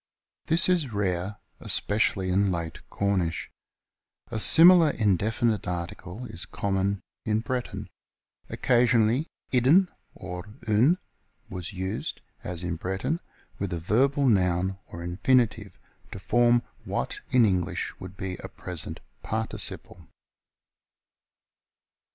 This is rare, especially in late Cornish. A similar indefinite article is common in Breton. Occasionally idn or un was used, as in Breton, with a verbal noun (or infinitive), to form what in English would be a present participle.